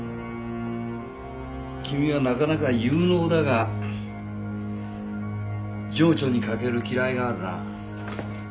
君はなかなか有能だが情緒に欠ける嫌いがあるな。